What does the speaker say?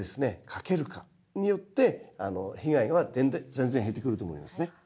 かけるかによって被害は全然減ってくると思いますね。